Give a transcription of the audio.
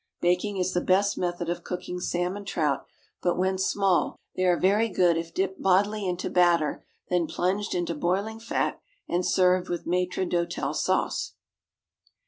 Baking is the best method of cooking salmon trout, but, when small, they are very good if dipped bodily into batter, then plunged into boiling fat, and served with maître d'hôtel sauce.